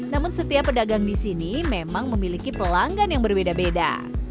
namun setiap pedagang di sini memang memiliki pelanggan yang berbeda beda